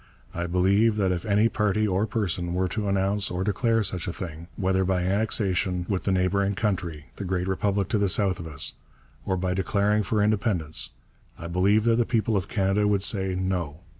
I believe that if any party or person were to announce or declare such a thing, whether by annexation with the neighbouring country, the great republic to the south of us, or by declaring for independence, I believe that the people of Canada would say 'No.'